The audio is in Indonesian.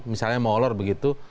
misalnya molor begitu